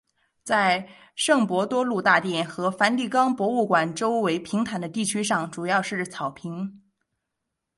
在圣伯多禄大殿和梵蒂冈博物馆周围平坦的地区上主要是草坪。